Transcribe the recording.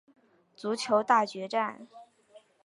足球大决战！